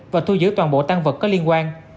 và thu giữ toàn bộ tăng vật có liên quan